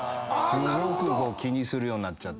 すごく気にするように。